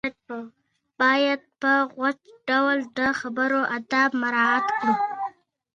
وږمې راځي و بام ته اغوستلي نګهتونه